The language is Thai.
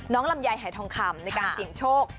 ลำไยหายทองคำในการเสี่ยงโชค